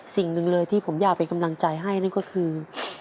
สิ่งหนึ่งเลยที่ผมอยากเป็นกำลังใจให้นั่นก็คือ